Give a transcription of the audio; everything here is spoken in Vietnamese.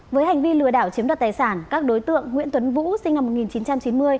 với hành vi lừa đảo chiếm đoạt tài sản các đối tượng nguyễn tuấn vũ sinh năm một nghìn chín trăm chín mươi